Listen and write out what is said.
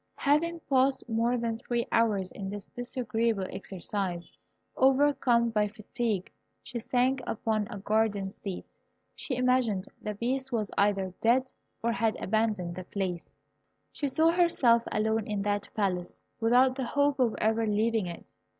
Having passed more than three hours in this disagreeable exercise, overcome by fatigue, she sank upon a garden seat. She imagined the Beast was either dead or had abandoned the place. [Illustration: Beauty and the Beast. P. 273.] She saw herself alone in that Palace, without the hope of ever leaving it.